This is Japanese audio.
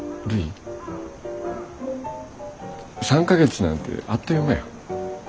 ３か月なんてあっという間や。